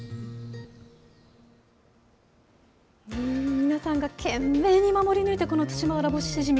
皆さんが懸命に守り抜いたこのツシマウラボシシジミ。